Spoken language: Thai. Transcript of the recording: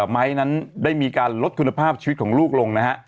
ไม้นั้นได้มีการลดคุณภาพชีวิตของลูกลงนะฮะ